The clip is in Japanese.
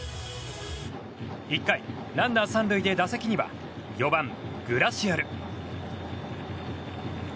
１回、ランナー３塁で打席には４番、グラシアル。